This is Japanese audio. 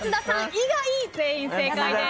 以外全員正解です。